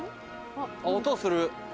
音する。